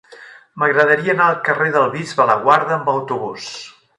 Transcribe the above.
M'agradaria anar al carrer del Bisbe Laguarda amb autobús.